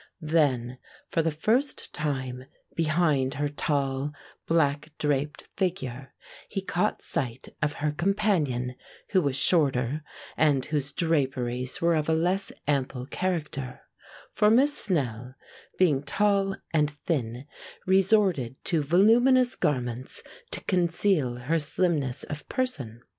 Then for the first time, behind her tall, black draped figure, he caught sight of her companion, who was shorter, and whose draperies were of a less ample character for Miss Snell, being tall and thin, resorted to voluminous garments to conceal her slimness of person.